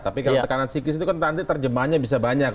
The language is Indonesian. tapi kalau tekanan psikis itu kan nanti terjemahannya bisa banyak